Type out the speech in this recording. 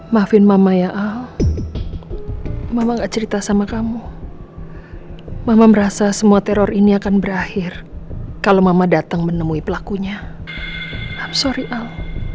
maafin mama ya al mama gak cerita sama kamu mama merasa semua teror ini akan berakhir kalau mama datang menemui pelakunya sorry al